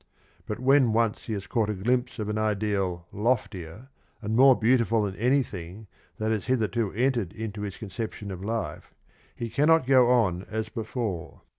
But when once he has caught a glimpse of an ideal loftier and more beautiful than anything that has hitherto entered into his conception of life, he cannot go on as before.